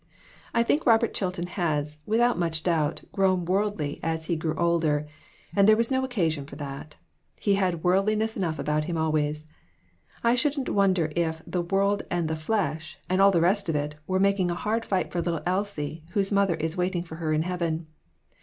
I think Robert Chilton has, without much doubt, grown worldly as he grew older, and there was no occasion for that ; he had worldliness enough about him always. I shouldn't wonder if "the world and the flesh," and all the rest of it, were making a hard fight for little Elsie, whose mother is waiting for her in heaven.